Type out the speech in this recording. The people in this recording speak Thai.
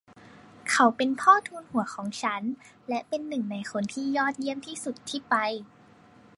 เขาเป็นพ่อทูนหัวของฉัน และเป็นหนึ่งในคนที่ยอดเยี่ยมที่สุดที่ไป